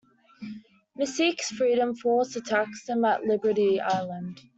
Mystique's Freedom Force attacks them at Liberty Island.